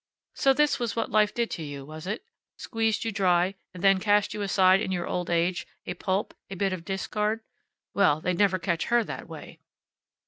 So this was what life did to you, was it? Squeezed you dry, and then cast you aside in your old age, a pulp, a bit of discard. Well, they'd never catch her that way.